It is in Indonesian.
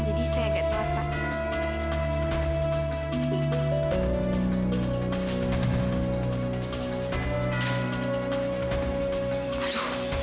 jadi saya agak telat pak